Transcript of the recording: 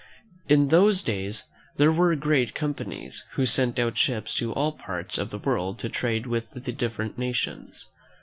In those days there were great companies who sent out ships to all parts of the world to trade with the different nations.